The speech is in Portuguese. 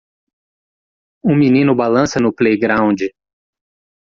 Um menino balança no playground.